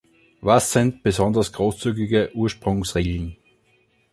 Was sind besonders großzügige Ursprungsregeln?